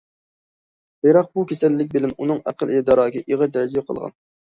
بىراق بۇ كېسەللىك بىلەن ئۇنىڭ ئەقىل- ئىدراكى ئېغىر دەرىجىدە يوقالغان.